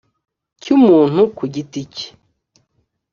cy umuntu ku giti cye